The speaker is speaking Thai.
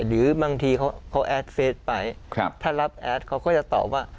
หรือบางทีเขาแอดเฟสไปถ้ารับแอดเขาก็จะตอบว่า